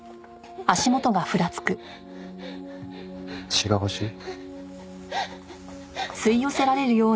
血が欲しい？